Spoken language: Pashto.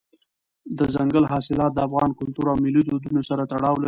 دځنګل حاصلات د افغان کلتور او ملي دودونو سره تړاو لري.